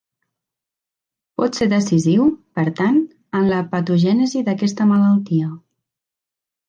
Pot ser decisiu, per tant, en la patogènesi d'aquesta malaltia.